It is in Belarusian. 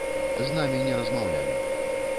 З намі не размаўлялі.